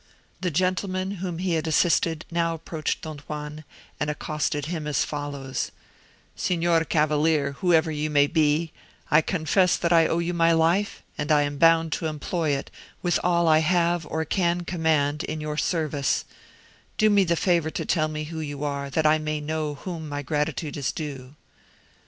The gentleman whom he had assisted now approached Don Juan, and accosted him as follows:—"Signor Cavalier, whoever you may be, I confess that I owe you my life, and I am bound to employ it, with all I have or can command, in your service: do me the favour to tell me who you are, that I may know to whom my gratitude is due."